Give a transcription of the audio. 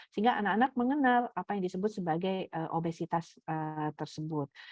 sehingga anak anak mengenal apa yang disebut sebagai obesitas tersebut